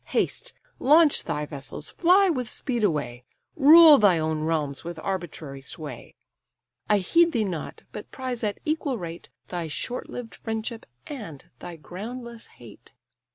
Haste, launch thy vessels, fly with speed away; Rule thy own realms with arbitrary sway; I heed thee not, but prize at equal rate Thy short lived friendship, and thy groundless hate.